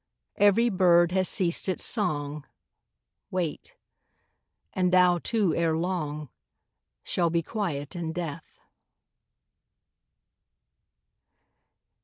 Every bird has ceased its song, Wait ; and thou too, ere long, Shall be quiet in death.